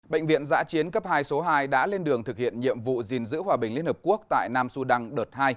bệnh viện giã chiến cấp hai số hai đã lên đường thực hiện nhiệm vụ gìn giữ hòa bình liên hợp quốc tại nam sudan đợt hai